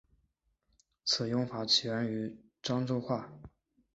此用法起源于漳州话。